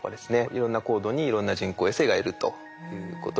いろんな高度にいろんな人工衛星がいるということになります。